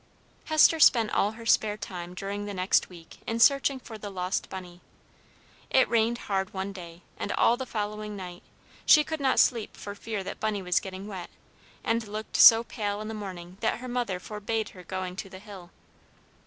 Hester spent all her spare time during the next week in searching for the lost Bunny. It rained hard one day, and all the following night; she could not sleep for fear that Bunny was getting wet, and looked so pale in the morning that her mother forbade her going to the hill.